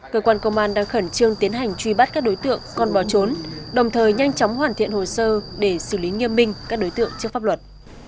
cơ quan công an đang khẩn trương tiến hành truy bắt các đối tượng còn bỏ trốn đồng thời nhanh chóng hoàn thiện hồ sơ để xử lý nghiêm minh các đối tượng trước pháp luật